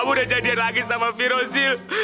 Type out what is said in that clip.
kamu udah jadian lagi sama viro sil